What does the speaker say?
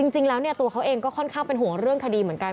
จริงแล้วตัวเขาเองก็ค่อนข้างเป็นห่วงเรื่องคดีเหมือนกัน